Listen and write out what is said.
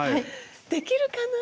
できるかな。